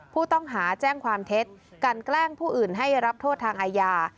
ผู้ต้องหาแจ้งความเท็จกันแกล้งผู้อื่นให้รับโทษทางอาญา